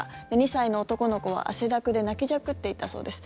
２歳の男の子は汗だくで泣きじゃくっていたそうです。